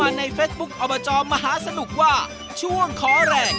อันนั้นครบ๕๐แล้วค่ะ